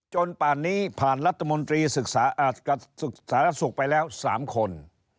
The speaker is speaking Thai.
จนป่านนี้ผ่านรัฐมนตรีสุขศาสตร์และสุขไปแล้ว๓คน